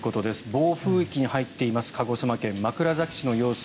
暴風域に入っています鹿児島県枕崎市の様子